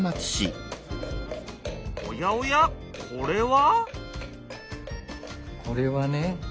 おやおやこれは？